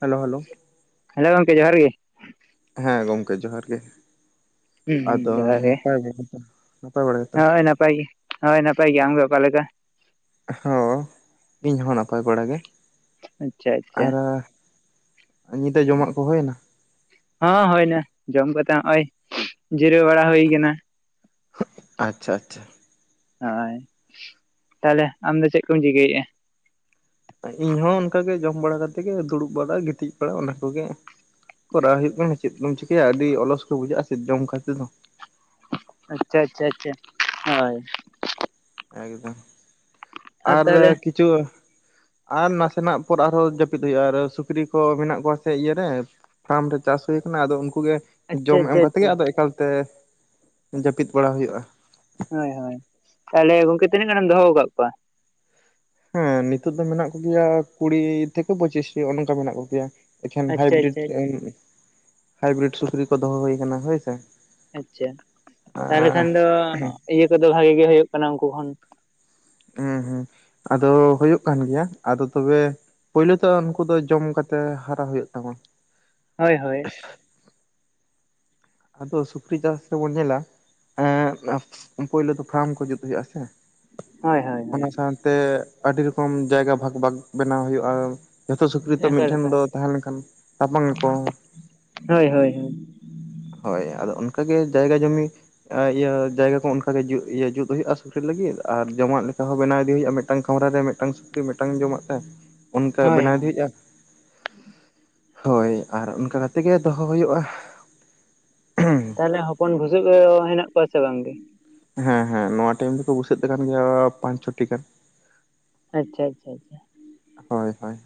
Hello hello hello ᱜᱚᱢᱠᱮ ᱡᱚᱦᱟᱨ ᱜᱮ ᱦᱮᱸ ᱜᱚᱢᱠᱮ ᱡᱚᱦᱟᱨ ᱜᱮ ᱦᱩᱸ ᱦᱩᱸ ᱟᱫᱚ ᱡᱚᱦᱟᱨ ᱜᱮ ᱱᱟᱯᱟᱭ ᱵᱟ ᱦᱳᱭ ᱱᱟᱯᱟᱭ ᱜᱮ ᱦᱳᱭ ᱱᱟᱯᱟᱭ ᱜᱮ ᱟᱢᱜᱮ ᱚᱠᱟ ᱞᱮᱠᱟ ᱦᱚ ᱤᱧ ᱦᱚᱸ ᱱᱟᱯᱟᱭ ᱵᱟᱲᱟ ᱜᱮ ᱟᱪᱪᱷᱟ ᱟᱪᱪᱷᱟ ᱟᱨ ᱧᱤᱫᱟᱹ ᱡᱚᱢᱟᱜ ᱠᱚ ᱦᱩᱭᱮᱱᱟ ᱦᱚᱸ ᱦᱳᱭᱱᱟ ᱡᱚᱢ ᱠᱟᱛᱮ ᱚᱸᱜᱼᱚᱭ ᱡᱤᱨᱟᱹᱣ ᱵᱟᱲᱟ ᱦᱩᱭ ᱠᱟᱱᱟ ᱦᱚᱜ ᱟᱪᱪᱷᱟ ᱟᱪᱪᱷᱟ ᱦᱳᱭ ᱛᱟᱦᱞᱮ ᱟᱢ ᱫᱚ ᱪᱮᱫ ᱠᱚᱢ ᱪᱤᱠᱟᱹᱭᱮᱫᱼᱟ ᱤᱧ ᱦᱚᱸ ᱚᱱᱠᱟ ᱜᱮ ᱡᱚᱢ ᱵᱟᱲᱟ ᱠᱟᱛᱮ ᱜᱮ ᱫᱩᱲᱩᱵ ᱵᱟᱲᱟ ᱜᱤᱛᱤᱡ ᱵᱟᱲᱟ ᱚᱱᱟ ᱠᱚᱜᱮ ᱠᱚᱨᱟᱣ ᱦᱩᱭᱩᱜ ᱠᱟᱱᱟ ᱪᱮᱫ ᱫᱚᱢ ᱪᱤᱠᱟᱹᱭᱟ ᱟᱹᱰᱤ ᱚᱞᱚᱥ ᱠᱚ ᱵᱩᱡᱷᱟᱹᱜᱼᱟ ᱪᱮᱫ ᱡᱚᱢ ᱠᱟᱛᱮ ᱫᱚ ᱟᱪᱪᱷᱟ ᱟᱪᱪᱷᱟ ᱟᱪᱪᱷᱟ ᱦᱳᱭ ᱮᱠᱫᱚᱢ ᱟᱨ ᱠᱤᱪᱷᱩ ᱟᱨ ᱱᱟᱥᱮᱱᱟᱜ ᱯᱚᱨ ᱟᱨᱦᱚᱸ ᱡᱟᱹᱯᱤᱫ ᱦᱩᱭᱩᱜᱼᱟ ᱟᱨ ᱥᱩᱠᱨᱤ ᱠᱚ ᱢᱮᱱᱟᱜ ᱠᱚᱣᱟ ᱥᱮ ᱤᱭᱟᱹᱨᱮ ᱯᱷᱟᱨᱢ ᱨᱮ ᱪᱟᱥ ᱦᱩᱭ ᱟᱠᱟᱱᱟ ᱟᱫᱚ ᱩᱱᱠᱩ ᱜᱮ ᱟᱪᱪᱷᱟ ᱡᱚᱢ ᱮᱢ ᱟᱪᱪᱷᱟ ᱠᱟᱛᱮ ᱟᱪᱪᱷᱟ ᱜᱮ ᱟᱫᱚ ᱮᱠᱟᱞᱛᱮ ᱡᱟᱹᱯᱤᱫ ᱵᱟᱲᱟ ᱦᱩᱭᱩᱜᱼᱟ ᱦᱳᱭ ᱦᱳᱭ ᱛᱟᱦᱞᱮ ᱜᱚᱝᱠᱮ ᱛᱤᱱᱟᱹᱜ ᱜᱟᱱᱮᱢ ᱫᱚᱦᱚ ᱟᱠᱟᱫ ᱠᱚᱣᱟ ᱦᱮᱸ ᱱᱤᱛᱳᱜ ᱫᱚ ᱢᱮᱱᱟᱜ ᱠᱚᱜᱮᱭᱟ ᱠᱩᱲᱤ ᱛᱷᱮᱠᱮ ᱯᱚᱸᱪᱤᱥᱴᱤ ᱚᱜᱼᱱᱚᱝᱠᱟ ᱢᱮᱱᱟᱜ ᱠᱚᱜᱮᱭᱟ ᱮᱠᱷᱮᱱ ᱟᱪᱪᱷᱟ ᱦᱟᱭᱵᱨᱤᱰ ᱟᱪᱪᱷᱟ ᱟᱪᱪᱷᱟ ᱮᱢ ᱦᱟᱭᱵᱨᱤᱰ ᱥᱩᱠᱨᱤ ᱠᱚ ᱫᱚᱦᱚ ᱦᱩᱭ ᱠᱟᱱᱟ ᱦᱳᱭᱥᱮ ᱟᱪᱪᱷᱟ ᱛᱟᱦᱚᱞᱮ ᱠᱷᱟᱱ ᱫᱚ ᱤᱭᱟᱹ ᱠᱚᱫᱚ ᱵᱷᱟᱜᱤ ᱜᱮ ᱦᱩᱭᱩᱜ ᱠᱟᱱᱟ ᱩᱱᱠᱩ ᱠᱷᱚᱱ ᱦᱮᱸ ᱦᱮᱸ ᱟᱫᱚ ᱦᱩᱭᱩᱜ ᱠᱟᱱ ᱜᱮᱭᱟ ᱟᱫᱚ ᱛᱚᱵᱮ ᱯᱳᱭᱞᱳ ᱛᱚ ᱩᱱᱠᱩ ᱫᱚ ᱡᱚᱢ ᱠᱟᱛᱮ ᱦᱟᱨᱟ ᱦᱳᱭᱳᱜ ᱛᱟᱢᱟ ᱦᱳᱭ ᱦᱳᱭ ᱟᱫᱚ ᱥᱩᱠᱨᱤ ᱪᱟᱥ ᱨᱮᱵᱚᱱ ᱧᱮᱞᱟ ᱦᱮᱸ ᱯᱳᱭᱞᱟᱹ ᱫᱚ ᱯᱷᱨᱟᱢ ᱠᱚ ᱡᱩᱛ ᱦᱩᱭᱩᱜ ᱟ ᱥᱮ ᱦᱳᱭ ᱦᱳᱭ ᱦᱳᱭ ᱚᱱᱟ ᱥᱟᱶᱛᱮ ᱟᱹᱰᱤ ᱨᱚᱠᱚᱢ ᱡᱟᱭᱜᱟ ᱵᱷᱟᱜᱽ ᱵᱷᱟᱜᱽ ᱵᱮᱱᱟᱣ ᱦᱩᱭᱩᱜᱼᱟ ᱡᱷᱚᱛᱚ ᱥᱩᱠᱨᱤ ᱛᱚ ᱮᱠᱟᱞ ᱢᱤᱫᱴᱷᱮᱱ ᱮᱠᱟᱞ ᱫᱚ ᱛᱟᱦᱮᱸ ᱞᱮᱱᱠᱷᱟᱱ ᱛᱟᱯᱟᱢ ᱟᱠᱚ ᱦᱳᱭ ᱦᱳᱭ ᱦᱳᱭ ᱦᱳᱭ ᱟᱫᱚ ᱚᱱᱠᱟᱜᱮ ᱡᱟᱭᱜᱟ ᱡᱩᱢᱤ ᱤᱭᱟᱹ ᱡᱟᱭᱜᱟ ᱠᱚ ᱚᱱᱠᱟᱜᱮ ᱡᱩᱛ ᱤᱭᱟᱹ ᱡᱩᱛ ᱦᱩᱭᱩᱜᱼᱟ ᱥᱩᱠᱨᱤ ᱞᱟᱹᱜᱤᱫ ᱟᱨ ᱡᱚᱢᱟᱜ ᱞᱮᱠᱟ ᱦᱚᱸ ᱵᱮᱱᱟᱣ ᱤᱫᱤ ᱦᱩᱭᱩᱜᱼᱟ ᱢᱤᱫᱴᱟᱝ ᱠᱷᱟᱢᱨᱟ ᱨᱮ ᱢᱤᱫᱴᱟᱝ ᱥᱩᱠᱨᱤ ᱢᱤᱫᱴᱟᱝ ᱡᱚᱢᱟᱜ ᱛᱮ ᱚᱱᱠᱟ ᱦᱳᱭ ᱵᱮᱱᱟᱣ ᱤᱫᱤ ᱦᱳᱭ ᱦᱳᱭᱳᱜᱼᱟ ᱦᱳᱭ ᱟᱨ ᱚᱱᱠᱟ ᱠᱟᱛᱮ ᱜᱮ ᱫᱚᱦᱚ ᱦᱩᱭᱩᱜᱼᱟ ᱛᱟᱦᱞᱮ ᱦᱚᱯᱚᱱ ᱵᱷᱩᱥᱟᱹᱜ ᱠᱚ ᱦᱮᱱᱟᱜ ᱠᱚᱣᱟ ᱥᱮ ᱵᱟᱝᱜᱮ ᱦᱮᱸ ᱦᱮᱸ ᱱᱚᱣᱟ ᱴᱟᱭᱤᱢ ᱫᱚᱠᱚ ᱵᱥᱟᱹᱜ ᱟᱠᱟᱱ ᱜᱮᱭᱟ ᱯᱟᱸᱪ ᱪᱷᱚᱴᱤ ᱜᱟᱱ ᱟᱪᱪᱷᱟ ᱟᱪᱪᱷᱟ ᱟᱪᱪᱷᱟ ᱦᱳᱭ ᱦᱳᱭ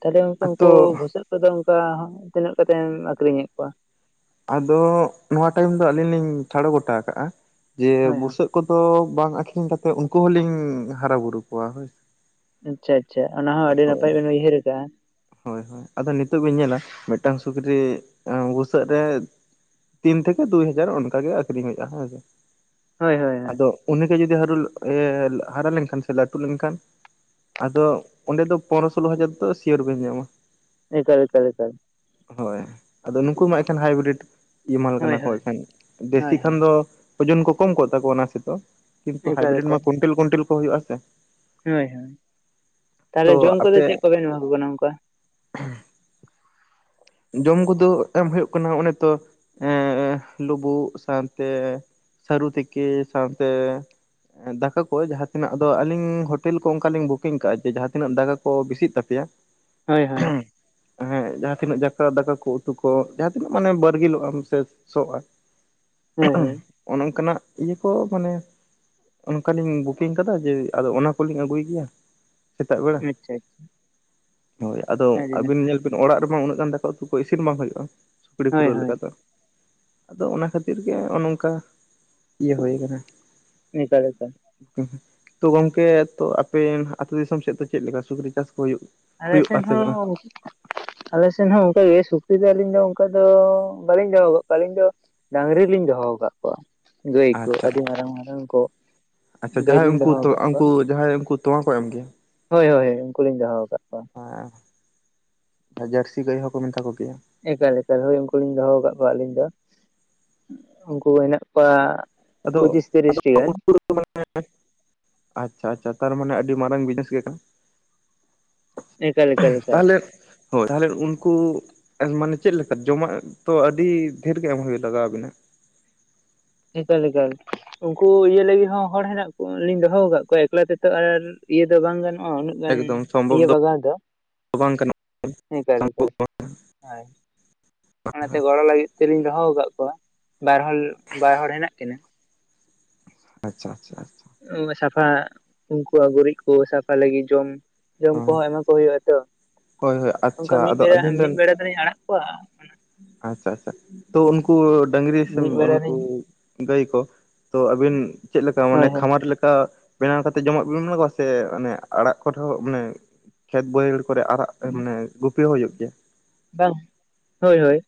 ᱛᱟᱦᱚᱞᱮ ᱜᱚᱝᱠᱮ ᱩᱱᱠᱩ ᱟᱫᱚ ᱵᱩᱥᱟᱹᱜ ᱠᱚᱫᱚ ᱚᱱᱠᱟ ᱛᱤᱱᱟᱹᱜ ᱠᱟᱛᱮᱢ ᱟᱠᱷᱨᱤᱧᱮᱜ ᱠᱚᱣᱟ ᱟᱫᱚ ᱱᱚᱣᱟ ᱴᱟᱭᱤᱢ ᱫᱚ ᱟᱞᱤᱧ ᱞᱤᱧ ᱴᱷᱟᱲᱚ ᱜᱚᱴᱟ ᱠᱟᱜᱼᱟ ᱡᱮ ᱦᱳᱭ ᱦᱳᱭ ᱵᱩᱥᱟᱹᱜ ᱠᱚ ᱫᱚ ᱵᱟᱝ ᱟᱠᱷᱨᱤᱧ ᱠᱟᱛᱮᱜ ᱩᱱᱠᱩ ᱦᱚᱸᱞᱤᱧ ᱦᱟᱨᱟ ᱵᱩᱨᱩ ᱠᱚᱣᱟ ᱦᱳᱭ ᱟᱪᱪᱷᱟ ᱟᱪᱪᱷᱟ ᱚᱱᱟ ᱦᱚᱸ ᱟᱹᱰᱤ ᱦᱳᱭ ᱱᱟᱯᱟᱭ ᱵᱮᱱ ᱩᱭᱦᱟᱹᱨ ᱠᱟᱜᱼᱟ ᱦᱳᱭ ᱦᱳᱭ ᱟᱫᱚ ᱱᱤᱛᱚᱜ ᱵᱤᱱ ᱧᱮᱞᱟ ᱢᱤᱫᱴᱟᱝ ᱥᱩᱠᱨᱤ ᱵᱩᱥᱟᱹᱜ ᱨᱮ ᱛᱤᱱ ᱛᱷᱮᱠᱮ ᱫᱩᱭ ᱦᱟᱡᱟᱨ ᱚᱱᱠᱟᱜᱮ ᱟᱠᱷᱨᱤᱧ ᱦᱩᱭᱩᱜᱼᱟ ᱦᱮᱸᱥᱮ ᱦᱳᱭ ᱦᱳᱭ ᱦᱳᱭ ᱟᱫᱚ ᱩᱱᱤᱜᱮ ᱡᱩᱫᱤ ᱦᱟᱹᱨᱩ ᱦᱟᱨᱟ ᱞᱮᱱᱠᱷᱟᱱ ᱥᱮ ᱞᱟᱹᱴᱩ ᱞᱮᱱᱠᱷᱟᱱ ᱟᱫᱚ ᱚᱸᱰᱮ ᱫᱚ ᱯᱚᱱᱨᱚ ᱥᱳᱞᱳ ᱦᱟᱡᱟᱨ ᱫᱚ ᱥᱤᱭᱚᱨ ᱵᱮᱱ ᱧᱟᱢᱟ ᱮᱠᱟᱞ ᱮᱠᱟᱞ ᱮᱠᱟᱞ ᱦᱳᱭ ᱟᱫᱚ ᱱᱩᱠᱩ ᱢᱟ ᱮᱠᱷᱮᱱ ᱦᱟᱭᱵᱨᱤᱰ ᱤᱭᱟᱹ ᱢᱟᱞ ᱠᱟᱱᱟ ᱦᱳᱭ ᱠᱚ ᱦᱳᱭ ᱮᱠᱷᱮᱱ ᱫᱮᱥᱤ ᱦᱳᱭ ᱠᱷᱟᱱ ᱦᱳᱭ ᱫᱚ ᱳᱡᱚᱱ ᱠᱚ ᱠᱚᱢ ᱠᱚᱜ ᱛᱟᱠᱚᱣᱟ ᱱᱟᱥᱮᱫᱚ ᱠᱤᱱᱛᱩ ᱮᱠᱟᱞ ᱦᱟᱭᱵᱨᱤᱰ ᱮᱠᱟᱞ ᱢᱟ ᱠᱳᱱᱴᱮᱞ ᱠᱳᱱᱴᱮᱞ ᱠᱚ ᱦᱩᱭᱩᱜᱼᱟ ᱥᱮ ᱦᱳᱭ ᱦᱳᱭ ᱛᱚ ᱛᱟᱦᱚᱞᱮ ᱡᱚᱢ ᱠᱚᱫᱚ ᱟᱯᱮ ᱪᱮᱫ ᱠᱚ ᱵᱮᱱ ᱮᱢᱟ ᱠᱚ ᱠᱟᱱᱟ ᱚᱱᱠᱟ [inaudible] ᱡᱚᱢ ᱠᱚᱫᱚ ᱮᱢ ᱦᱩᱭᱩᱜ ᱠᱟᱱᱟ ᱚᱱᱮ ᱛᱚ ᱮ ᱞᱩᱵᱩᱜ ᱥᱟᱶᱛᱮ ᱥᱟᱹᱨᱩ ᱛᱮᱠᱮ ᱥᱟᱶᱛᱮ ᱫᱟᱠᱟ ᱠᱚ ᱡᱟᱦᱟᱸ ᱛᱤᱱᱟᱹᱜ ᱟᱫᱚ ᱟᱹᱞᱤᱧ ᱦᱳᱴᱮᱞ ᱠᱚ ᱚᱱᱠᱟ ᱞᱤᱧ ᱵᱩᱠᱤᱝ ᱠᱟᱜᱼᱟ ᱡᱮ ᱡᱟᱦᱟᱸ ᱛᱤᱱᱟᱹᱜ ᱫᱟᱠᱟ ᱠᱚ ᱵᱮᱥᱤᱜ ᱛᱟᱯᱮᱭᱟ [inaudible] ᱦᱳᱭ ᱦᱳᱭ ᱦᱮᱸ ᱡᱟᱦᱟᱸ ᱛᱤᱱᱟᱹᱜ ᱡᱟ ᱫᱟᱠᱟ ᱠᱚ ᱩᱛᱩ ᱠᱚ ᱡᱟᱦᱟᱸ ᱛᱤᱱᱟᱹᱜ ᱢᱟᱱᱮ ᱵᱟᱨᱜᱤᱞᱚᱜᱼᱟ ᱥᱮ ᱥᱚᱜᱼᱟ ᱦᱳᱭ ᱦᱳᱭ ᱚᱱᱮ ᱚᱱᱠᱟᱱᱟᱜ ᱤᱭᱟᱹ ᱠᱚ ᱢᱟᱱᱮ ᱚᱱᱠᱟᱞᱤᱧ ᱵᱩᱠᱤᱝ ᱠᱟᱫᱟ ᱡᱮ ᱟᱫᱚ ᱚᱱᱟ ᱠᱚᱞᱤᱧ ᱟᱹᱜᱩᱭ ᱜᱮᱭᱟ ᱥᱮᱛᱟᱜ ᱵᱮᱲᱟ ᱟᱪᱪᱷᱟ ᱦᱳᱭ ᱟᱫᱚ ᱟᱪᱪᱷᱟ ᱟᱹᱰᱤ ᱟᱹᱵᱤᱱ ᱱᱟᱯᱟᱭ ᱧᱮᱞ ᱚᱲᱟᱜ ᱨᱮᱢᱟ ᱩᱱᱟᱹᱜ ᱜᱟᱱ ᱫᱟᱠᱟ ᱩᱛᱩ ᱠᱚ ᱤᱥᱤᱱ ᱵᱟᱝ ᱦᱩᱭᱩᱜᱼᱟ ᱥᱟᱠᱲᱤ ᱦᱳᱭ ᱯᱩᱨᱟᱹᱣ ᱦᱳᱭ ᱞᱮᱠᱟ ᱫᱚ ᱟᱫᱚ ᱚᱱᱟ ᱠᱷᱟᱹᱛᱤᱨ ᱜᱮ ᱚᱱᱮ ᱱᱚᱝᱠᱟ ᱤᱭᱟᱹ ᱦᱩᱭ ᱠᱟᱱᱟ ᱮᱠᱟᱞ ᱮᱠᱟᱞ ᱛᱚ ᱜᱚᱝᱠᱮ ᱛᱚ ᱟᱯᱮ ᱟᱹᱛᱩ ᱫᱤᱥᱚᱢ ᱥᱮᱫ ᱫᱚ ᱪᱮᱫ ᱞᱮᱠᱟ ᱥᱩᱠᱨᱤ ᱪᱟᱥ ᱠᱚ ᱦᱩᱭᱩᱜ ᱟᱞᱮ ᱦᱩᱭᱩᱜ ᱥᱮᱱ ᱟᱥᱮ ᱵᱟᱝᱟ ᱦᱚᱸ ᱟᱞᱮ ᱥᱮᱱ ᱦᱚᱸ ᱚᱱᱠᱟ ᱜᱮ ᱥᱩᱠᱨᱤ ᱫᱚ ᱟᱹᱞᱤᱧ ᱫᱚ ᱚᱱᱠᱟ ᱫᱚ ᱵᱟᱹᱞᱤᱧ ᱫᱚ ᱦᱚᱸ ᱠᱟᱜ ᱠᱚᱣᱟ ᱟᱹᱞᱤᱧ ᱫᱚ ᱰᱟᱝᱨᱤ ᱞᱤᱧ ᱫᱚᱦᱚ ᱠᱟᱜ ᱠᱚᱣᱟ ᱜᱟᱹᱭ ᱠᱚ ᱟᱪᱪᱷᱟ ᱟᱹᱰᱤ ᱟᱪᱪᱷᱟ ᱢᱟᱨᱟᱝ ᱢᱟᱨᱟᱝ ᱠᱚ ᱟᱪᱪᱷᱟ ᱜᱟᱹᱭ ᱡᱟᱦᱟᱸᱭ ᱞᱤᱧ ᱩᱱᱠᱩ ᱫᱚᱦᱚ ᱟᱠᱟᱫ ᱠᱚᱣᱟ ᱩᱱᱠᱩ ᱡᱟᱦᱟᱸᱭ ᱩᱱᱠᱩ ᱛᱳᱣᱟ ᱠᱚ ᱮᱢ ᱜᱮᱭᱟ ᱦᱳᱭ ᱦᱳᱭ ᱦᱳᱭ ᱩᱱᱠᱩ ᱞᱤᱧ ᱫᱚᱦᱚ ᱟᱠᱟᱫ ᱠᱚᱣᱟ ᱦᱳᱭ ᱡᱟᱹᱨᱥᱤ ᱜᱟᱹᱭ ᱦᱚᱸᱠᱚ ᱢᱮᱛᱟ ᱠᱚ ᱜᱮᱭᱟ ᱮᱠᱟᱞ ᱮᱠᱟᱞ ᱦᱳᱭ ᱩᱱᱠᱩ ᱞᱤᱧ ᱫᱚᱦᱚ ᱠᱟᱜ ᱠᱚᱣᱟ ᱟᱹᱞᱤᱧ ᱫᱚ ᱩᱱᱠᱩ ᱦᱮᱱᱟᱜ ᱠᱚᱣᱟ ᱟᱫᱚ ᱯᱚᱸᱪᱤᱥ ᱟᱫᱚ ᱛᱤᱨᱤᱥᱴᱤ ᱜᱟᱱ [inaudible] [inaudible] ᱟᱪᱪᱷᱟ ᱟᱪᱪᱷᱟ ᱛᱟᱨᱢᱟᱱᱮ ᱟᱹᱰᱤ ᱢᱟᱨᱟᱝ ᱵᱤᱡᱱᱮᱥ ᱜᱮ ᱠᱟᱱᱟ ᱮᱠᱟᱞ ᱮᱠᱟᱞ ᱮ ᱛᱟᱦᱚᱞᱮ ᱦᱳᱭ ᱛᱟᱦᱚᱞᱮ ᱩᱱᱠᱩ ᱢᱟᱱᱮ ᱪᱮᱫ ᱞᱮᱠᱟ ᱡᱚᱢᱟᱜ ᱛᱚ ᱟᱹᱰᱤ ᱫᱷᱮᱨ ᱜᱮ ᱮᱢ ᱦᱩᱭᱩᱜ ᱞᱟᱜᱟᱣ ᱟᱵᱤᱱᱟ ᱮᱠᱟᱞ ᱮᱠᱟᱞ ᱩᱱᱠᱩ ᱤᱭᱟᱹ ᱞᱟᱹᱜᱤᱫ ᱦᱚᱸ ᱦᱚᱲ ᱦᱮᱱᱟᱜ ᱠᱚ ᱞᱤᱧ ᱫᱚᱦᱚ ᱟᱠᱟᱫ ᱠᱚᱣᱟ ᱮᱠᱞᱟ ᱛᱮᱛᱚ ᱟᱨ ᱤᱭᱟᱹ ᱫᱚ ᱵᱟᱝ ᱜᱟᱱ ᱩᱱᱟᱹᱜ ᱮᱠᱫᱚᱢ ᱥᱚᱢᱵᱷᱚᱵ ᱫᱚ ᱵᱟᱝ ᱠᱟᱱᱟ ᱝᱠᱟᱹ ᱞᱮᱠᱟ ᱥᱚᱢᱵᱷᱚᱵ ᱟᱨ ᱚᱱᱟᱛᱮ ᱜᱚᱲᱚ ᱞᱟᱹᱜᱤᱫ ᱛᱮᱞᱤᱧ ᱫᱚᱦᱚ ᱟᱠᱟᱫ ᱠᱚᱣᱟ ᱵᱟᱨ ᱦᱚᱲ ᱵᱟᱨ ᱦᱚᱲ ᱦᱮᱱᱟᱜ ᱠᱤᱱᱟ ᱟᱪᱪᱷᱟ ᱟᱪᱪᱷᱟ ᱟᱪᱪᱷᱟ ᱥᱟᱯᱷᱟ ᱩᱱᱠᱩᱣᱟᱜ ᱜᱩᱨᱤᱡ ᱠᱚ ᱥᱟᱯᱷᱟ ᱞᱟᱹᱜᱤᱫ ᱡᱚᱢ ᱡᱚᱢ ᱦᱳᱭ ᱠᱚᱦᱚᱸ ᱮᱢᱟ ᱠᱚ ᱦᱳᱭᱳᱜᱼᱟ ᱛᱚ ᱦᱳᱭ ᱦᱳᱭ ᱚᱱᱠᱟ ᱟᱪᱪᱷᱟ ᱢᱤᱫ ᱟᱫᱚ ᱵᱮᱲᱟ ᱟᱹᱵᱤᱱ ᱢᱤᱫ ᱨᱮᱱ ᱵᱮᱲᱟ ᱫᱚᱞᱤᱧ ᱟᱲᱟᱜ ᱠᱚᱣᱟ ᱟᱪᱪᱷᱟ ᱟᱪᱪᱷᱟ ᱛᱚ ᱩᱱᱠᱩ ᱰᱟᱝᱨᱤ ᱥᱮ ᱢᱤᱫ ᱵᱮᱲᱟ ᱩᱱᱠᱩ ᱞᱤᱧ ᱜᱟᱹᱭ ᱠᱚ ᱛᱚ ᱟᱵᱤᱱ ᱪᱮᱫ ᱞᱮᱠᱟ ᱢᱟᱱᱮ ᱦᱳᱭ ᱦᱳᱭ ᱠᱷᱟᱢᱟᱨ ᱞᱮᱠᱟ ᱵᱮᱱᱟᱣ ᱠᱟᱛᱮᱜ ᱡᱚᱢᱟᱜ ᱵᱤᱱ ᱮᱢᱟ ᱠᱚᱣᱟ ᱥᱮ ᱢᱟᱱᱮ ᱟᱲᱟᱜ ᱠᱚᱨᱮ ᱦᱚᱸ ᱢᱟᱱᱮ ᱠᱷᱮᱛ ᱵᱟᱹᱭᱦᱟᱹᱲ ᱠᱚᱨᱮ ᱟᱨᱟᱜ ᱢᱟᱱᱮ ᱜᱩᱯᱤ ᱦᱚᱸ ᱦᱩᱭᱩᱜ ᱜᱮᱭᱟ ᱵᱟᱝ ᱦᱳᱭ ᱦᱳᱭ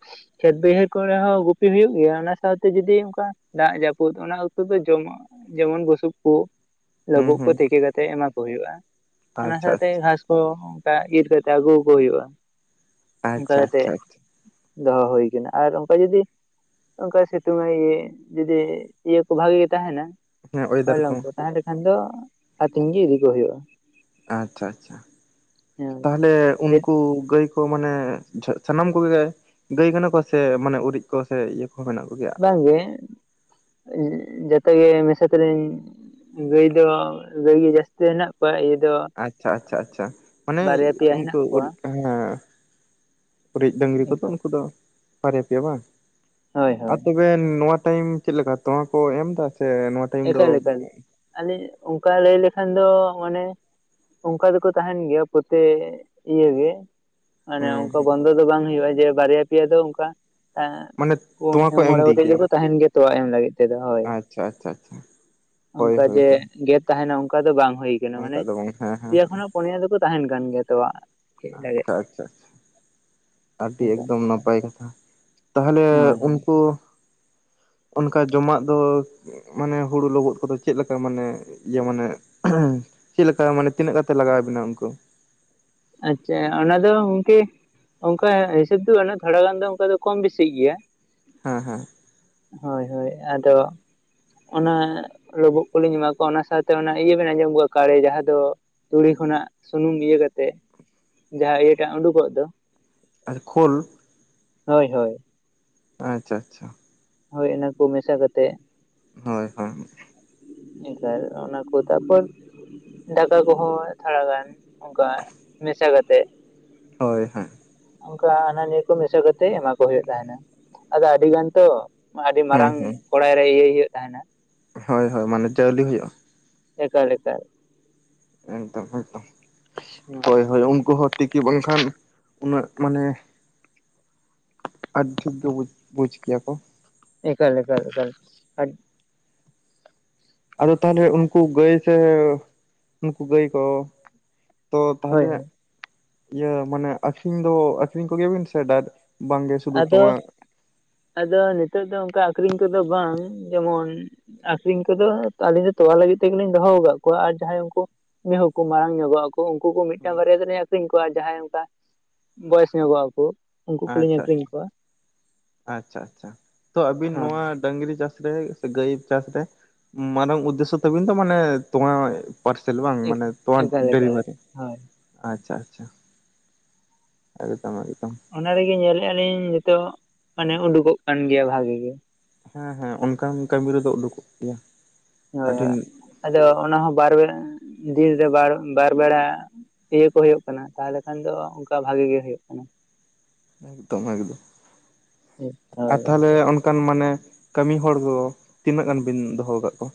ᱠᱷᱮᱛ ᱵᱟᱹᱭᱦᱟᱹᱲ ᱠᱚᱨᱮ ᱦᱚᱸ ᱜᱩᱯᱤ ᱦᱩᱭᱩᱜ ᱜᱮᱭᱟ ᱚᱱᱟ ᱥᱟᱶᱛᱮ ᱡᱩᱫᱤ ᱚᱱᱠᱟ ᱫᱟᱜ ᱡᱟᱹᱯᱩᱫ ᱚᱱᱟ ᱚᱠᱛᱚ ᱫᱚ ᱡᱚᱢᱟᱜ ᱡᱮᱢᱚᱱ ᱵᱩᱥᱩᱵ ᱠᱚ ᱦᱩᱸ ᱞᱳᱵᱳᱜ ᱠᱚ ᱦᱩᱸ ᱛᱮᱠᱮ ᱠᱟᱛᱮᱫ ᱮᱢᱟ ᱠᱚ ᱦᱩᱭᱩᱜᱼᱟ ᱚᱱᱟ ᱟᱪᱪᱷᱟ ᱥᱟᱶᱛᱮ ᱟᱪᱪᱷᱟ ᱜᱷᱟᱥ ᱚ ᱚᱱᱠᱟ ᱤᱨ ᱠᱟᱛᱮ ᱟᱹᱜᱩᱣᱟ ᱠᱚ ᱦᱩᱭᱩᱜᱼᱟ ᱚᱱᱠᱟ ᱟᱪᱪᱷᱟ ᱠᱟᱛᱮ ᱟᱪᱪᱷᱟ ᱟᱪᱪᱷᱟ ᱫᱚᱦᱚ ᱦᱩᱭ ᱠᱟᱱᱟ ᱟᱨ ᱚᱱᱠᱟ ᱡᱩᱫᱤ ᱚᱱᱠᱟᱭ ᱥᱤᱛᱩᱝ ᱟᱭ ᱤᱭᱟᱹᱭᱟᱭ ᱡᱩᱫᱤ ᱤᱭᱟᱹ ᱠᱚ ᱵᱷᱟᱹᱜᱤ ᱜᱮ ᱛᱟᱦᱮᱸᱱᱟ ᱦᱮᱸ ᱚᱭᱮᱫᱟᱨ ᱦᱚᱭᱞᱚᱝ ᱠᱚ ᱛᱟᱦᱚᱞᱮ ᱠᱷᱟᱱ ᱫᱚ ᱟᱹᱛᱤᱧ ᱜᱮ ᱤᱫᱤ ᱠᱚ ᱦᱩᱭᱩᱜᱼᱟ ᱟᱪᱪᱷᱟ ᱟᱪᱪᱷᱟ ᱦᱮᱸ ᱛᱟᱦᱚᱞᱮ ᱩᱱᱠᱩ ᱜᱟᱹᱭ ᱢᱟᱱᱮ ᱡᱷᱚ ᱥᱟᱱᱟᱢ ᱠᱚᱜᱮ ᱜᱟᱹᱭ ᱠᱟᱱᱟ ᱠᱚ ᱥᱮ ᱢᱟᱱᱮ ᱩᱨᱤᱡ ᱠᱚ ᱥᱮ ᱤᱭᱟᱹ ᱠᱚᱦᱚᱸ ᱢᱮᱱᱟᱜ ᱠᱚᱣᱟ ᱵᱟᱝᱜᱮ ᱡᱚᱛᱚ ᱜᱮ ᱢᱮᱥᱟ ᱛᱮᱞᱤᱧ ᱜᱟᱹᱭ ᱫᱚ ᱜᱟᱹᱭ ᱜᱮ ᱡᱟᱹᱥᱛᱤ ᱦᱮᱱᱟᱜ ᱠᱚᱣᱟ ᱤᱭᱟᱹ ᱫᱚ ᱟᱪᱷᱟ-ᱟᱪᱷᱟ, ᱟᱪᱷᱟ ᱢᱟᱱᱮ ᱵᱟᱨᱭᱟ ᱯᱮᱭᱟ ᱦᱮᱱᱟᱜ ᱩᱱᱠᱩ ᱠᱚᱣᱟ ᱦᱮᱸ ᱩᱨᱤᱡ ᱰᱟᱹᱝᱨᱤ ᱠᱚᱫᱚ ᱮᱠᱟᱞ ᱩᱱᱠᱩ ᱫᱚ ᱵᱟᱨᱭᱟ ᱯᱮᱭᱟ ᱵᱟᱝ ᱦᱳᱭ ᱟᱨ ᱦᱳᱭ ᱛᱚᱵᱮ ᱱᱚᱣᱟ ᱴᱟᱹᱭᱤᱢ ᱪᱮᱫ ᱞᱮᱠᱟ ᱛᱚᱣᱟ ᱠᱚ ᱮᱢ ᱮᱫᱟ ᱥᱮ ᱱᱚᱣᱟ ᱴᱟᱭᱤᱢ ᱫᱚ ᱮᱠᱟᱞ-ᱮᱠᱟᱞ ᱟᱹᱞᱤᱧ ᱚᱱᱠᱟ ᱞᱟᱹᱭ ᱞᱮᱠᱷᱟᱱ ᱫᱚ ᱢᱟᱱᱮ ᱚᱱᱠᱟ ᱫᱚᱠᱚ ᱛᱟᱦᱮᱱ ᱜᱮᱭᱟ ᱯᱚᱨᱛᱮ ᱤᱭᱟᱹ ᱜᱮ ᱢᱟᱱᱮ ᱚᱱᱠᱟ ᱦᱩᱸ ᱵᱚᱱᱫᱚ ᱫᱚ ᱵᱟᱝ ᱦᱩᱭᱩᱜᱼᱟ ᱡᱮ ᱵᱟᱨᱭᱟ ᱯᱮᱭᱟ ᱫᱚ ᱚᱱᱠᱟ ᱮ ᱢᱟᱱᱮ ᱯᱩᱱᱭ ᱛᱚᱣᱟ ᱠᱚ ᱮᱢ ᱢᱚᱬᱮ ᱤᱫᱤ ᱜᱚᱴᱮᱡ ᱜᱮᱭᱟ ᱫᱚᱠᱚ ᱛᱟᱦᱮᱱ ᱜᱮᱭᱟ ᱛᱚᱣᱟ ᱮᱢ ᱞᱟᱹᱜᱤᱫ ᱛᱮᱫᱚ ᱦᱚᱭ ᱟᱪᱷᱟ-ᱟᱪᱷᱟ, ᱟᱪᱷᱟ ᱚᱱᱠᱟ ᱡᱮ ᱜᱮ ᱛᱟᱦᱮᱱᱟ ᱚᱱᱠᱟ ᱫᱚ ᱵᱟᱝ ᱦᱩᱭ ᱠᱟᱱᱟ ᱢᱟᱱᱮ ᱚᱱᱠᱟ ᱫᱚ ᱵᱟᱝ ᱦᱮᱸ ᱦᱮᱸ ᱡᱮᱠᱷᱚᱱᱟᱜ ᱯᱩᱱᱭᱟᱹ ᱫᱚᱠᱚ ᱛᱟᱦᱮᱱ ᱠᱟᱱ ᱜᱮᱭᱟ ᱛᱚᱣᱟᱜ ᱟᱪᱷᱟ-ᱟᱪᱷᱟ ᱟᱹᱰᱤ ᱚᱱᱠᱟ ᱮᱠᱫᱚᱢ ᱱᱟᱯᱟᱭ ᱠᱟᱛᱷᱟ ᱛᱟᱦᱞᱮ ᱦᱳᱭ ᱦᱳᱭ ᱩᱱᱠᱩ ᱚᱱᱠᱟ ᱡᱚᱢᱟᱜ ᱫᱚ ᱢᱟᱱᱮ ᱦᱳᱲᱳ ᱞᱚᱵᱩᱜ ᱠᱚᱫᱚ ᱪᱮᱫ ᱞᱮᱠᱟ ᱢᱟᱱᱮ ᱤᱭᱟᱹ ᱢᱟᱱᱮ ᱪᱮᱫ ᱞᱮᱠᱟ ᱢᱟᱱᱮ ᱛᱤᱱᱟᱹᱜ ᱠᱟᱛᱮ ᱞᱟᱜᱟᱣ ᱟᱵᱤᱱᱟ ᱩᱱᱠᱩ ᱟᱪᱷᱟ ᱚᱱᱟ ᱫᱚ ᱜᱚᱝᱠᱮ ᱚᱱᱠᱟ ᱦᱤᱥᱟᱹᱵ ᱫᱚ ᱜᱷᱟᱱᱮ ᱛᱷᱚᱲᱟ ᱜᱟᱱ ᱫᱚ ᱚᱱᱠᱟ ᱫᱚ ᱠᱚᱢ ᱵᱤᱥᱤᱜ ᱜᱮᱭᱟ ᱦᱮᱸᱻᱦᱮᱸ ᱦᱚᱭ-ᱦᱚᱭ ᱟᱫᱚ ᱚᱱᱟ ᱞᱩᱵᱩᱜ ᱠᱚᱞᱤᱧ ᱮᱢᱟ ᱠᱚᱣᱟ ᱚᱱᱟ ᱥᱟᱶᱛᱮ ᱚᱱᱟ ᱤᱭᱟᱹ ᱵᱮᱱ ᱟᱸᱡᱚᱢ ᱠᱟᱜ ᱜᱮᱭᱟ ᱠᱟᱲᱮ ᱡᱟᱦᱟᱸ ᱫᱚ ᱛᱩᱲᱤ ᱠᱷᱚᱱᱟᱜ ᱥᱩᱱᱩᱢ ᱤᱭᱟᱹ ᱠᱟᱛᱮᱜ ᱡᱟᱦᱟᱸ ᱤᱭᱟᱹᱴᱟᱜ ᱩᱰᱩᱠᱚᱜ ᱫᱚ ᱟᱪᱷᱟ ᱠᱷᱩᱞ ᱦᱚᱭ-ᱦᱚᱭ ᱟᱪᱷᱟ-ᱟᱪᱷᱟ ᱦᱚᱭ ᱚᱱᱟ ᱠᱚ ᱢᱮᱥᱟ ᱠᱟᱛᱮᱜ ᱦᱚᱭ-ᱦᱚᱭ ᱤᱠᱷᱟ. ᱱ ᱚᱱᱟ ᱠᱚ ᱛᱟᱨᱯᱚᱨ ᱫᱟᱠᱟ ᱠᱚᱦᱚᱸ ᱛᱷᱚᱲᱟᱜᱟᱱ ᱚᱱᱠᱟ ᱢᱮᱥᱟ ᱠᱟᱛᱮᱜ ᱾ ᱦᱚᱭ ᱦᱮᱸ ᱚᱱᱠᱟ ᱦᱟᱱᱟ ᱱᱤᱭᱟᱹ ᱠᱚ ᱢᱮᱥᱟ ᱠᱟᱛᱮᱜ ᱮᱢᱟ ᱠᱚ ᱦᱩᱭᱩᱜ ᱛᱟᱦᱮᱱᱟ ᱾ ᱟᱫᱚ ᱟᱹᱰᱤ ᱜᱟᱱ ᱛᱚ ᱟᱹᱰᱤ ᱦᱩᱸ ᱢᱟᱨᱟᱝ ᱠᱚᱲᱟᱭ ᱨᱮ ᱤᱭᱟᱹᱭ ᱦᱩᱭᱩᱜ ᱛᱟᱦᱮᱱᱟ ᱾ ᱦᱚᱭ-ᱦᱚᱭ ᱢᱟᱱᱮ ᱪᱟᱣᱞᱤ ᱦᱩᱭᱩᱜᱼᱟ ᱾ ᱮᱠᱟᱞ-ᱮᱠᱟᱞ ᱮᱠᱫᱚᱢ-ᱮᱠᱫᱚᱢ ᱦᱳᱭ ᱦᱚᱭ-ᱦᱚᱭ ᱩᱱᱠᱩ ᱦᱚᱸ ᱛᱤᱠᱤ ᱵᱟᱝᱠᱷᱟᱱ ᱩᱱᱟᱹᱜ ᱢᱟᱱᱮ ᱟᱹᱰᱤᱷᱤᱠ ᱜᱮ ᱵᱩᱡᱽ, ᱵᱩᱡᱽ ᱜᱮᱭᱟ ᱠᱚ ᱮᱠᱟᱞ-ᱮᱠᱟᱞ, ᱮᱠᱟᱞ ᱟᱫᱚ ᱛᱟᱦᱚᱞᱮ ᱩᱱᱠᱩ ᱜᱟᱹᱭ ᱥᱮ ᱩᱱᱠᱩ ᱜᱟᱹᱭ ᱠᱚ ᱛᱚ ᱦᱳᱭ ᱛᱟᱦᱚᱞᱮ ᱦᱳᱭ ᱤᱭᱟᱹ ᱢᱟᱱᱮ ᱟᱠᱷᱨᱤᱧ ᱫᱚ ᱟᱠᱷᱨᱤᱧ ᱠᱚᱜᱮᱭᱟᱵᱤᱱ ᱥᱮ ᱰᱟᱨ ᱵᱟᱝᱜᱮ ᱥᱩᱫᱷᱩ ᱟᱫᱚ ᱛᱚᱣᱟ᱾ ᱟᱫᱚ ᱱᱤᱛᱚᱜ ᱫᱚ ᱚᱱᱠᱟ ᱟᱠᱷᱨᱤᱧ ᱠᱚᱫᱚ ᱵᱟᱝ ᱡᱮᱢᱚᱱ ᱟᱹᱠᱷᱨᱤᱧ ᱠᱚᱫᱚ ᱟᱹᱞᱤᱧ ᱫᱚ ᱛᱚᱣᱟ ᱞᱟᱹᱜᱤᱫ ᱛᱮᱜᱮ ᱞᱤᱧ ᱫᱚᱦᱚ ᱟᱠᱟᱫ ᱠᱚᱣᱟ ᱟᱨ ᱡᱟᱦᱟᱸᱭ ᱩᱱᱠᱩ ᱢᱤᱦᱩᱠᱚ ᱢᱟᱨᱟᱝ ᱧᱚᱜᱚᱜ ᱟᱠᱚ ᱩᱱᱠᱩ ᱠᱚ ᱢᱤᱫᱴᱟᱝ ᱵᱟᱨᱭᱟ ᱛᱮᱤᱧ ᱟᱹᱠᱷᱨᱤᱧ ᱠᱚᱣᱟ ᱾ ᱡᱟᱦᱟᱸᱭ ᱚᱱᱠᱟ ᱵᱚᱭᱮᱥ ᱧᱚᱜᱚᱜ ᱟᱠᱚ ᱩᱱᱠᱩ ᱠᱚᱞᱤ ᱧᱮᱞ ᱟᱪᱷᱟ-ᱟᱪᱷᱟ ᱛᱚ ᱟᱵᱤᱱ ᱱᱚᱣᱟ ᱦᱮᱸ ᱰᱟᱝᱨᱤ ᱪᱟᱥ ᱨᱮ ᱥᱮ ᱜᱟᱹᱭ ᱪᱟᱥ ᱨᱮ ᱢᱟᱨᱟᱝ ᱩᱫᱽᱫᱮᱥᱥᱚ ᱛᱟᱹᱵᱤᱱ ᱫᱚ ᱢᱟᱱᱮ ᱛᱚᱣᱟ ᱾ ᱯᱟᱨᱥᱮᱞ ᱵᱟᱝ ᱢᱟᱱᱮ ᱛᱚᱣᱟ ᱮᱠᱟᱞ ᱮᱠᱟᱞ ᱰᱮᱞᱤᱵᱷᱟᱨᱤ ᱦᱳᱭ ᱾ ᱟᱪᱷᱟ-ᱟᱪᱷᱟ ᱮᱠᱫᱚᱢ-ᱮᱠᱫᱚᱢ ᱚᱱᱟ ᱨᱮᱜᱮ ᱧᱮᱞᱮᱜ ᱟᱹᱞᱤᱧ ᱱᱤᱛᱚᱜ ᱢᱟᱱᱮ ᱩᱰᱩᱠᱚᱜ ᱠᱟᱱ ᱜᱮᱭᱟ ᱵᱷᱟᱹᱜᱤ ᱜᱮ ᱾ ᱦᱮᱸᱻᱦᱮᱸ ᱚᱱᱠᱟᱱ ᱠᱟᱹᱢᱤ ᱨᱮᱫᱚ ᱩᱰᱩᱠᱚᱜ ᱜᱮᱭᱟ ᱾ ᱦᱳᱭ ᱦᱳᱭ ᱟᱫᱚ ᱚᱱᱟ ᱦᱚᱸ ᱵᱟᱨ ᱫᱤᱱ ᱨᱮ ᱵᱟᱨ ᱵᱮᱲᱟ ᱤᱭᱟᱹ ᱠᱚ ᱦᱩᱭᱩᱜ ᱠᱟᱱᱟ ᱛᱟᱦᱚᱞᱮ ᱠᱷᱟᱱ ᱫᱚ ᱚᱱᱠᱟ ᱵᱷᱟᱜᱮ ᱜᱮ ᱦᱩᱭᱩᱜ ᱠᱟᱱᱟ ᱾ ᱮᱠᱫᱚᱢ ᱮᱠᱫᱚᱢ ᱦᱳᱭ ᱟᱨ ᱜᱚᱝᱠᱮ ᱛᱟᱦᱞᱮ ᱚᱱᱠᱟᱱ ᱢᱟᱱᱮ ᱠᱟᱹᱢᱤ ᱦᱚᱲ ᱫᱚ ᱛᱤᱱᱟᱹᱜ ᱜᱟᱱ ᱵᱤᱱ ᱫᱚᱦᱚ ᱟᱠᱟᱫ ᱠᱚᱣᱟ?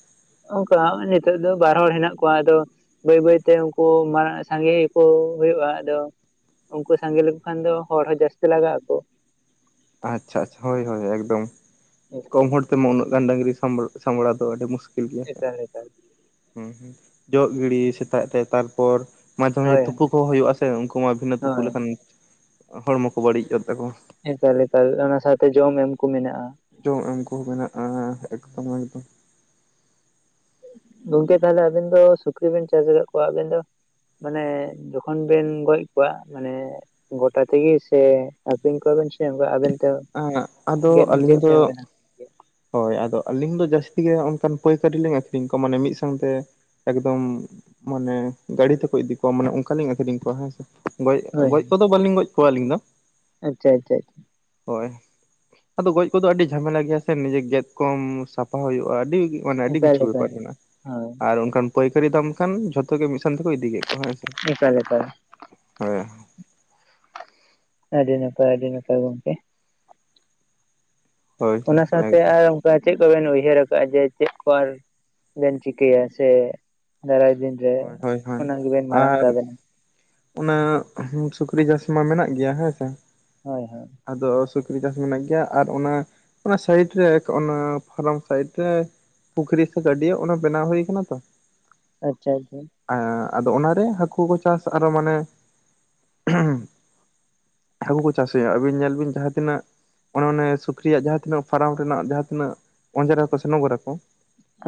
ᱚᱱᱠᱟ ᱱᱤᱛᱚᱜ ᱫᱚ ᱵᱟᱨ ᱦᱚᱲ ᱦᱮᱱᱟᱜ ᱠᱚᱣᱟ ᱟᱫᱚ ᱾ ᱵᱟᱹᱭ ᱵᱟᱹᱭᱛᱮ ᱩᱱᱠᱩ ᱢᱟᱨᱟᱝ ᱥᱟᱸᱜᱮ ᱠᱚ ᱦᱩᱭᱩᱜᱼᱟ ᱟᱫᱚ ᱾ ᱩᱱᱠᱩ ᱥᱟᱸᱜᱮ ᱞᱮᱠᱚ ᱠᱷᱟᱱ ᱫᱚ ᱦᱚᱲ ᱦᱚᱸ ᱡᱟᱹᱥᱛᱤ ᱞᱟᱜᱟᱜ ᱟᱠᱚ ᱾ ᱟᱪᱪᱷᱟ ᱟᱪᱪᱷᱟ ᱦᱳᱭ ᱦᱳᱭ ᱮᱠᱫᱚᱢ ᱠᱚᱢ ᱮᱠᱟᱞ ᱦᱚᱲ ᱛᱮᱢᱟ ᱩᱱᱟᱹᱜ ᱜᱟᱱ ᱰᱟᱹᱜᱝᱨᱤ ᱥᱟᱢ ᱥᱟᱢᱵᱲᱟᱣ ᱫᱚ ᱟᱹᱰᱤ ᱢᱩᱥᱠᱤᱞ ᱢᱩᱠᱤᱞ ᱜᱮᱭᱟ ᱥᱮ ᱮᱠᱟᱞ ᱮᱠᱟᱞ ᱦᱸ ᱦᱸ ᱡᱚᱜ ᱜᱤᱲᱤ ᱥᱮᱛᱟᱜ ᱛᱮ ᱛᱟᱨᱯᱚᱨ ᱢᱟᱡᱷᱮ ᱢᱟᱡᱷᱮ ᱦᱳᱭ ᱛᱩ ᱠᱚᱦᱚᱸ ᱦᱩᱭᱩᱜᱼᱟ ᱥᱮ ᱾ ᱩᱱᱠᱩ ᱢᱟ ᱵᱷᱤᱱᱟᱹ ᱛᱩᱯᱩ ᱦᱳᱭ ᱞᱮᱠᱷᱟᱱ ᱦᱚᱲᱢᱚ ᱠᱚ ᱵᱟᱹᱲᱤᱡᱚᱜ ᱛᱟᱠᱚᱣᱟ ᱾ ᱮᱠᱟᱞ ᱮᱠᱟᱞ ᱚᱱᱟ ᱥᱟᱶᱛᱮ ᱡᱚᱢ ᱮᱢ ᱠᱚ ᱢᱮᱱᱟᱜᱼᱟ ᱾ ᱡᱚᱢ ᱮᱢ ᱠᱚᱦᱚᱸ ᱢᱮᱱᱟᱜᱼᱟ ᱮᱠᱫᱚᱢ ᱮᱠᱫᱚᱢ ᱾ ᱜᱚᱝᱠᱮ ᱛᱟᱦᱚᱞᱮ ᱟᱹᱵᱤᱱ ᱫᱚ ᱥᱩᱠᱨᱤ ᱵᱤᱱ ᱪᱟᱥ ᱟᱠᱟᱫ ᱠᱚᱣᱟ ᱟᱹᱵᱤᱱ ᱫᱚ ᱢᱟᱱᱮ ᱡᱚᱠᱷᱚᱱ ᱵᱤᱱ ᱜᱚᱡ ᱠᱚᱣᱟ ᱢᱟᱱᱮ ᱜᱚᱴᱟ ᱛᱮᱜᱮ ᱥᱮ ᱟᱹᱠᱷᱨᱤᱧ ᱠᱚᱣᱟᱵᱮᱱ ᱥᱮ ᱟᱵᱮᱱ ᱛᱮ ᱟᱫᱚ ᱟᱹᱞᱤᱧ ᱜᱮᱫᱪᱤᱱ ᱫᱚ ᱛᱮᱵᱱᱟ? ᱦᱳᱭ ᱟᱫᱚ ᱟᱹᱞᱤᱧ ᱫᱚ ᱡᱟᱹᱥᱛᱤ ᱜᱮ ᱚᱱᱠᱟᱱ ᱯᱟᱹᱭᱠᱟᱹᱨᱤ ᱞᱤᱧ ᱟᱹᱠᱷᱨᱤᱧ ᱠᱚᱣᱟ ᱢᱟᱱᱮ ᱢᱤᱫ ᱥᱟᱶᱛᱮ ᱾ ᱮᱠᱫᱚᱢ ᱢᱟᱱᱮ ᱜᱟ. ᱰᱤ ᱛᱮᱠᱚ ᱤᱫᱤ ᱠᱚᱣᱟ ᱢᱟᱱᱮ ᱚᱱᱠᱟᱞᱤᱧ ᱟᱠᱷᱨᱤᱧ ᱠᱚᱣᱟ ᱦᱮᱸ ᱥᱮ ᱾ ᱜᱚᱡ ᱦᱳᱭ ᱜᱚᱡ ᱠᱚᱫᱚ ᱵᱟᱹᱞᱤᱧ ᱜᱚᱡ ᱠᱚᱣᱟ ᱟᱹᱞᱤᱧ ᱫᱚ ᱾ ᱟᱪᱪᱷᱟ ᱟᱪᱷᱟ ᱟᱪᱷᱟ ᱦᱳᱭ ᱟᱫᱚ ᱜᱚᱡ ᱠᱚᱫᱚ ᱟᱹᱰᱤ ᱡᱷᱟᱢᱮᱞᱟ ᱜᱮᱭᱟ ᱥᱮ ᱾ ᱱᱤᱡᱮ ᱜᱮᱫ ᱠᱚᱢ ᱥᱟᱯᱷᱟ ᱦᱩᱭᱩᱜᱼᱟ ᱾ ᱟᱹᱰᱤ ᱢᱟᱱᱮ ᱟᱹᱰᱤ ᱮᱠᱟᱞ ᱠᱤᱪᱷᱩ ᱮᱠᱟᱞ ᱵᱮᱯᱟᱨ ᱢᱮᱱᱟᱜᱼᱟ ᱦᱳᱭ ᱟᱨ ᱚᱱᱠᱟᱱ ᱯᱟᱹᱭᱠᱟᱹᱨᱤ ᱫᱟᱢ ᱠᱷᱟᱱ ᱡᱷᱚᱛᱚ ᱜᱮ ᱢᱤᱫ ᱥᱟᱶᱛᱮ ᱛᱮᱠᱚ ᱤᱫᱤᱭ ᱠᱮᱫ ᱠᱚᱣᱟ ᱦᱮᱸ ᱥᱮ ᱾ ᱮᱠᱟᱞ ᱮᱠᱟᱞ ᱦᱳᱭ ᱟᱹᱰᱤ ᱱᱟᱯᱟᱭ ᱟᱹᱰᱤ ᱱᱟᱯᱟᱭ ᱜᱚᱢᱠᱮ ᱦᱳᱭ ᱚᱱᱟ ᱥᱟᱶᱛᱮ ᱮᱠᱫᱚᱢ ᱟᱨ ᱪᱮᱫ ᱠᱚᱵᱤᱱ ᱩᱭᱦᱟᱹᱨᱟ ᱟᱠᱟᱟᱜᱼᱟ ᱾ ᱡᱮ ᱪᱮᱫ ᱠᱚ ᱟᱨ ᱵᱮᱱ ᱪᱤᱠᱟᱹᱭᱟ ᱥᱮ ᱫᱟᱨᱟᱭ ᱫᱤᱱ? ᱡᱮ ᱦᱳᱭ ᱦᱳᱭ ᱦᱳᱭ ᱟᱱᱟ ᱜᱮ ᱵᱤᱱ ᱢᱟᱨᱟᱝ ᱟᱨ ᱛᱟ. ᱵᱤᱱ ᱾ ᱚᱱᱟ ᱩᱸ ᱥᱩᱠᱨᱤ ᱪᱟᱥ ᱢᱟ ᱢᱮᱱᱟᱜ ᱜᱮᱭᱟ ᱦᱮᱸ ᱥᱮ ᱦᱳᱭ ᱦᱳᱭ ᱟᱫᱚ ᱥᱩᱠᱨᱤ ᱪᱟᱥ ᱢᱮᱱᱟᱜ ᱜᱮᱭᱟ ᱟᱨ ᱚᱱᱟ ᱚᱱᱟ ᱥᱟᱭᱤᱴ ᱨᱮᱼᱮᱠ ᱚᱱᱟ ᱯᱷᱟᱨᱟᱢ ᱥᱟᱭᱤᱴ ᱨᱮ ᱯᱩᱠᱷᱨᱤ ᱥᱮ ᱜᱟᱹᱰᱤᱭᱟᱹ ᱚᱱᱟ ᱵᱮᱱᱟᱣ ᱦᱩᱭ ᱠᱟᱱᱟ ᱛᱚ ᱟᱪᱪᱷᱟ ᱟᱪᱪᱷᱟ ᱟᱹ ᱟᱫᱚ ᱚᱱᱟᱨᱮ ᱦᱟᱹᱠᱩ ᱠᱚ ᱪᱟᱥ ᱟᱨᱚ ᱢᱟᱱᱮ ᱦᱟᱹᱠᱩ ᱠᱚ ᱪᱟᱥ ᱦᱩᱭᱩᱜᱼᱟ ᱟᱵᱤᱱ ᱧᱮᱞ ᱵᱤᱱ ᱡᱟᱦᱟᱸ ᱛᱤᱱᱟᱹᱜ ᱚᱱᱮ ᱚᱱᱮ ᱥᱩᱠᱨᱤᱭᱟᱜ ᱡᱟᱦᱟᱸ ᱛᱤᱱᱟᱹᱜ ᱯᱷᱟᱨᱟᱢ ᱨᱮᱱᱟᱜ ᱡᱟᱦᱟᱸ ᱛᱤᱱᱟᱹᱜ ᱚᱸᱡᱨᱟᱠᱚ ᱥᱮ ᱱᱚᱜᱽᱨᱟᱠᱚ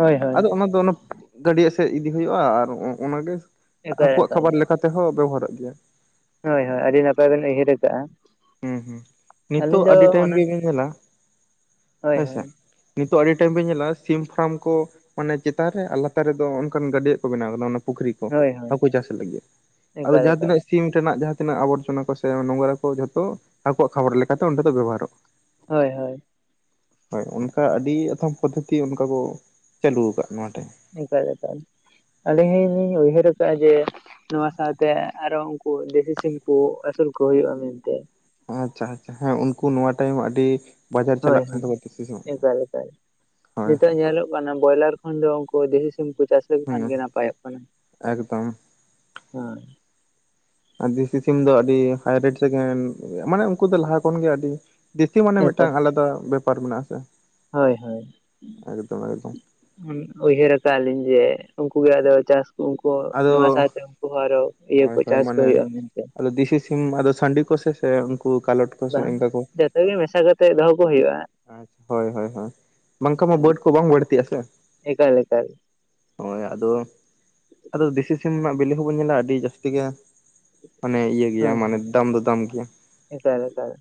ᱦᱳᱭ ᱦᱳᱭ ᱟᱫᱚ ᱚᱱᱟ ᱫᱚ ᱚᱱᱟ ᱜᱟᱹᱰᱤᱭᱟᱜ ᱥᱮᱫ ᱤᱫᱤ ᱦᱩᱭᱩᱜᱼᱟ ᱟᱨ ᱚᱱᱟᱜᱮ ᱮᱠᱟᱞ ᱦᱟᱠᱩᱣᱟᱜ ᱮᱠᱟᱞ ᱠᱷᱟᱵᱟᱨ ᱞᱮᱠᱟᱛᱮᱦᱚᱸ ᱵᱮᱵᱚᱦᱟᱨᱚᱜ ᱜᱮᱭᱟ ᱦᱳᱭ ᱦᱳᱭ ᱟᱹᱰᱤ ᱱᱟᱯᱟᱭ ᱵᱮᱱ ᱩᱭᱦᱟᱹᱨ ᱟᱠᱟᱜᱼᱟ ᱦᱩᱸ ᱦᱩᱸ ᱱᱤᱛᱚᱜ ᱟᱹᱞᱤᱧ ᱫᱚ ᱟᱹᱰᱤ ᱴᱟᱭᱤᱢ ᱚᱱᱟ ᱜᱮᱵᱤᱱ ᱧᱮᱞᱟ ᱦᱳᱭ ᱦᱮᱸᱥᱮ ᱦᱳᱭ ᱱᱤᱛᱚᱜ ᱟᱹᱰᱤ ᱴᱟ. ᱭᱤᱢ ᱵᱤᱱ ᱧᱮᱞᱟ ᱥᱤᱢ ᱯᱷᱟᱨᱟᱢ ᱠᱚ ᱢᱟᱱᱮ ᱪᱮᱛᱟᱱ ᱨᱮ ᱟᱨ ᱞᱟᱛᱟᱨ ᱨᱮᱫᱚ ᱚᱱᱠᱟᱱ ᱜᱟᱹᱰᱤᱭᱟᱹᱜ ᱠᱚ ᱵᱮᱱᱟᱣ ᱠᱟᱫᱟ ᱚᱱᱟ ᱯᱩᱠᱷᱨᱤ ᱠᱚ ᱦᱳᱭ ᱦᱳᱭ ᱦᱟᱹᱠᱩ ᱪᱟᱥ ᱞᱟᱹᱜᱤᱫ ᱟᱫᱚ ᱮᱠᱟᱞ ᱡᱟᱦᱟᱸ ᱮᱠᱟᱞ ᱛᱤᱱᱟᱹᱜ ᱥᱤᱢ ᱨᱮᱱᱟᱜ ᱡᱟᱦᱟᱸ ᱛᱤᱱᱟᱹᱜ ᱟᱵᱚᱨᱡᱚᱱᱟ ᱠᱚ ᱥᱮ ᱱᱚᱝᱨᱟ ᱠᱚ ᱡᱚᱛᱚ ᱟᱠᱚᱣᱟᱜ ᱠᱷᱟᱵᱟᱨ ᱞᱮᱠᱟᱛᱮ ᱚᱸᱰᱮ ᱫᱚ ᱵᱮᱵᱚᱦᱟᱨᱚᱜᱼᱟ᱾ ᱦᱳᱭ ᱦᱳᱭ ᱦᱳᱭ ᱚᱱᱠᱟ ᱟᱹᱰᱤ ᱟᱛᱷᱚᱢ ᱯᱚᱫᱽᱫᱷᱚᱛᱤ ᱚᱱᱠᱟ ᱠᱚ ᱪᱟᱹᱟᱞᱩ ᱟᱠᱟᱫ ᱱᱚᱣᱟ ᱴᱷᱮᱱ ᱮᱠᱟᱞ ᱮᱠᱟᱞ ᱟᱹᱞᱤᱧ ᱦᱚᱸᱞᱤᱧ ᱩᱭᱦᱟᱹᱨ ᱟᱠᱟᱫᱼᱟ ᱡᱮ ᱱᱚᱣᱟ ᱥᱟᱶᱛᱮ ᱟᱨᱚ ᱩᱱᱠᱩ ᱫᱮᱥᱤ ᱥᱤᱢ ᱠᱚ ᱟᱹᱥᱩᱞ ᱠᱚ ᱦᱩᱭᱩᱜᱼᱟ ᱢᱮᱱᱛᱮ ᱟᱪᱪᱷᱟ ᱟᱪᱪᱷᱟ ᱦᱮᱸ ᱩᱱᱠᱩ ᱱᱚᱣᱟ ᱴᱟᱭᱤᱢ ᱟᱹᱰᱤ ᱵᱟᱡᱟᱨ ᱦᱳᱭ ᱪᱟᱞᱟᱜ ᱠᱟᱱ ᱦᱳᱭ ᱛᱟᱠᱚ ᱛᱮ ᱥᱮ ᱪᱮᱫ? ᱦᱳᱭ ᱮᱠᱟᱞ ᱮᱠᱟᱞ ᱦᱳᱭ ᱱᱤᱛᱚᱜ ᱧᱮᱞᱚᱜ ᱠᱟᱱᱟ ᱵᱚᱭᱞᱟᱨ ᱠᱷᱚᱱ ᱫᱚ ᱩᱱᱠᱩ ᱫᱤᱥᱤ ᱥᱤᱢ ᱠᱚ ᱪᱟᱥ ᱞᱮᱠᱚ ᱠᱷᱟᱱ ᱦᱮᱸ ᱜᱮ ᱱᱟᱯᱟᱭᱚᱜ ᱠᱟᱱᱟ ᱮᱠᱫᱚᱢ ᱦᱳᱭ ᱫᱤᱥᱤ ᱥᱤᱢ ᱫᱚ ᱟᱹᱰᱤ ᱦᱟᱭᱨᱮᱴ ᱨᱮᱠᱤᱱ ᱢᱟᱱᱮ ᱩᱱᱠᱩ ᱫᱚ ᱞᱟᱦᱟ ᱠᱷᱚᱱᱜᱮ ᱟᱹᱰᱤ ᱫᱤᱥᱤ ᱢᱟᱱᱮ ᱮᱠᱟᱞ ᱢᱤᱫᱴᱟᱝ ᱟᱞᱟᱫᱟ ᱵᱮᱯᱟᱨ ᱢᱮᱱᱟᱜᱼᱟ ᱥᱮ᱾ ᱦᱳᱭ ᱦᱳᱭ᱾ ᱩᱭᱦᱟᱹᱨ ᱟᱠᱟᱜ ᱞᱤᱧ ᱡᱮ ᱩᱱᱠᱩᱜᱮ ᱟᱫᱚ ᱪᱟᱥ ᱠᱚ ᱩᱱᱠᱩ ᱟᱫᱚ ᱱᱚᱣᱟ ᱥᱟᱶᱛᱮ ᱩᱱᱠᱩ ᱦᱚᱸ ᱟᱨᱚ ᱤᱭᱟᱹ ᱦᱳᱭ ᱠᱚ ᱦᱳᱭ ᱪᱟᱥ ᱠᱚ ᱢᱟᱱᱮ ᱦᱩᱭᱩᱜᱼᱟ ᱢᱮᱱᱛᱮ ᱟᱫᱚ ᱫᱤᱥᱤ ᱥᱤᱢ ᱟᱫᱚ ᱥᱟᱸᱰᱤ ᱠᱚᱥᱮ ᱥᱮ ᱩᱱᱠᱩ ᱠᱟᱞᱚᱴ? ᱠᱚ ᱥᱮ ᱵᱟᱝ ᱮᱱᱠᱟ ᱡᱮᱛᱮ ᱜᱮ ᱢᱮᱥᱟ ᱠᱟᱛᱮᱜ ᱫᱚᱦᱚ ᱠᱚ ᱦᱩᱭᱩᱜᱼᱟ᱾ ᱟᱪ ᱦᱳᱭ ᱦᱳᱭ ᱦᱳᱭ ᱵᱟᱝᱠᱷᱟᱜ ᱢᱟ ᱵᱟᱹᱰ ᱠᱚ ᱵᱟᱝ ᱵᱟᱹᱲᱛᱤᱜᱼᱟ ᱥᱮ᱾ ᱮᱠᱟᱞ ᱮᱠᱟᱞ ᱦᱳᱭ ᱟᱫᱚ ᱟᱫᱚ ᱫᱤᱥᱤ ᱥᱤᱢ ᱱᱟᱜ ᱵᱤᱞᱤ ᱦᱚᱸᱵᱚᱱ ᱧᱮᱞᱟ ᱟᱹᱰᱤ ᱡᱟᱹᱥᱛᱤ ᱜᱮ ᱢᱟᱱᱮ ᱤᱭᱟᱹ ᱜᱮᱭᱟ ᱦᱳᱭ ᱢᱟᱱᱮ ᱦᱳᱭ ᱫᱟᱢ ᱫᱚ ᱫᱟᱢ ᱜᱮᱭᱟ᱾ ᱮᱠᱟᱞ ᱮᱠᱟᱞ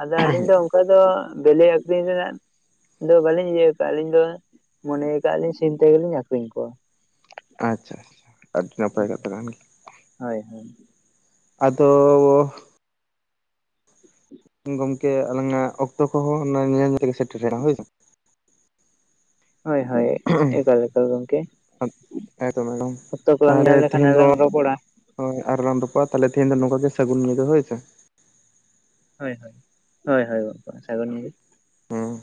ᱟᱫᱚ ᱟᱹᱞᱤᱧ ᱫᱚ ᱚᱱᱠᱟ ᱫᱚ ᱵᱮᱞᱤ ᱟᱹᱠᱷᱨᱤᱧ ᱨᱮᱱᱟᱜ ᱫᱚ ᱵᱟᱹᱞᱤᱧ ᱤᱭᱟᱹ ᱟᱠᱟᱜᱼᱟ ᱟᱹᱞᱤᱧ ᱫᱚ ᱢᱚᱱᱮᱭ ᱠᱟᱜᱼᱞᱤᱧ ᱥᱤᱢ ᱛᱮᱜᱮᱞᱤᱧ ᱟᱠᱷᱨᱤᱧ ᱠᱚᱣᱟ᱾ ᱟᱪᱪᱷᱟ ᱟᱪᱪᱷᱟ ᱟᱹᱰᱤ ᱱᱟᱯᱟᱭ ᱠᱟᱛᱷᱟ ᱠᱟᱱ ᱜᱮᱭᱟ᱾ ᱦᱳᱭ ᱦᱳᱭ᱾ ᱟᱫᱚᱻᱚ ᱜᱚᱝᱠᱮ ᱟᱞᱟᱝᱟᱜ ᱚᱠᱛᱚ ᱠᱚᱦᱚᱸ ᱚᱱᱟ ᱧᱮᱞ ᱧᱮᱞ ᱛᱮᱜᱮ ᱥᱮᱴᱮᱨᱱᱟ ᱦᱳᱭ ᱥᱮ᱾ ᱦᱳᱭ ᱦᱳᱭ ᱮᱠᱟᱞ ᱮᱠᱟᱞ ᱜᱚᱝᱠᱮ ᱮᱠᱫᱚᱢ ᱮᱠᱫᱚᱢ ᱚᱠᱛᱚ ᱠᱚᱞᱟᱝ ᱧᱮᱞ ᱞᱮᱠᱷᱟᱱ ᱟᱞᱟᱝ ᱨᱚᱯᱚᱲᱟ᱾ ᱦᱳᱭ ᱟᱨ ᱨᱟᱱ ᱨᱚᱯᱚᱨᱟ ᱛᱮᱦᱮᱧ ᱫᱚ ᱱᱚᱝᱠᱟ ᱜᱮ ᱥᱟᱹᱜᱩᱱ ᱧᱤᱫᱟᱹ ᱦᱳᱭ ᱥᱮ᱾ ᱦᱳᱭ ᱦᱳᱭ ᱦᱳᱭ ᱦᱳᱭ ᱜᱚᱢᱠᱮ ᱥᱟᱜᱚᱱ ᱧᱤ ᱦᱩᱸ᱾